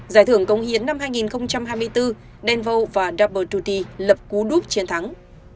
giải thưởng công hiến năm hai nghìn hai mươi bốn denvo và double duty lập cú đúc chiến thắng